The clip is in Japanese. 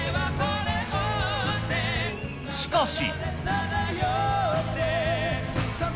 しかし。